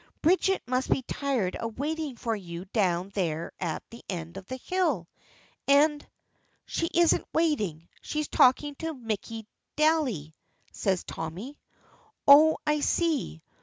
Bridget must be tired of waiting for you down there at the end of the hill, and " "She isn't waiting, she's talking to Mickey Daly," says Tommy. "Oh, I see.